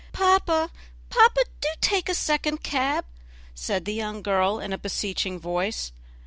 "Papa, papa, do take a second cab," said the young girl in a beseeching tone.